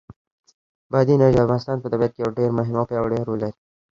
بادي انرژي د افغانستان په طبیعت کې یو ډېر مهم او پیاوړی رول لري.